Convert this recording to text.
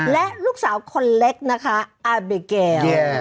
และลูกสาวคนเล็กนะคะอาบิเกล